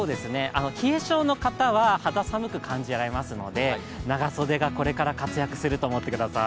冷え性の方は肌寒く観じられますので、長袖がこれから活躍すると思ってください。